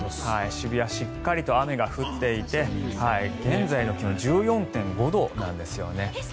渋谷しっかりと雨が降っていて現在の気温１４．５度なんですよね。